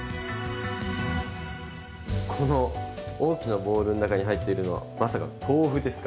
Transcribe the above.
この大きなボウルの中に入っているのはまさか豆腐ですか？